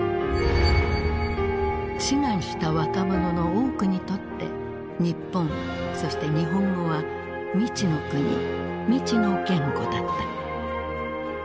志願した若者の多くにとって日本そして日本語は未知の国未知の言語だった。